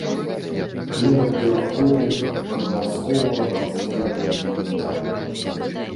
Клімат пераходны ад марскога да ўмерана кантынентальнага.